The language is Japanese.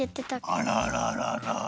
あらららら。